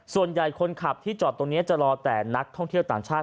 ส่วนใหญ่คนขับที่จอดตรงนี้จะรอแต่นักท่องเที่ยวต่างชาติ